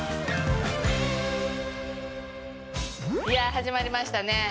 いや始まりましたね。